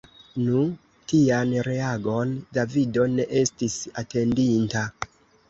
Nu, tian reagon Davido ne estis atendinta.